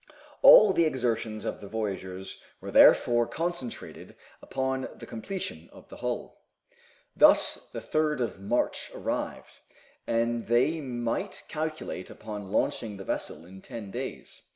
All the exertions of the voyagers were therefore concentrated upon the completion of the hull. Thus the 3rd of March arrived, and they might calculate upon launching the vessel in ten days.